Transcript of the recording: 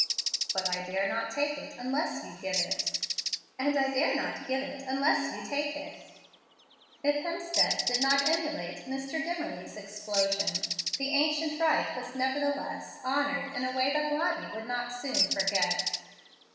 "But I dare not take it unless you give it." "And I dare not give it unless you take it." If Hemstead did not emulate Mr. Dimmerly's "explosion," the ancient rite was nevertheless honored in a way that Lottie would not soon forget.